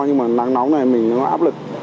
nhưng mà nắng nóng này mình nó áp lực